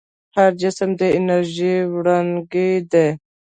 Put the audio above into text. هر جسم د انرژۍ وړونکی دی.